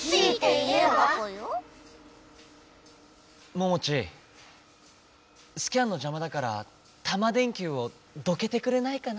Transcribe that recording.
モモチースキャンのじゃまだからタマ電Ｑをどけてくれないかな？